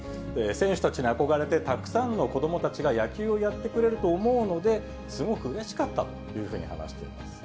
選手たちに憧れて、たくさんの子どもたちが野球をやってくれると思うので、すごくうれしかったというふうに話しています。